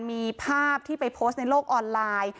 มีภาพที่ไปโพสต์ในโลกออนไลน์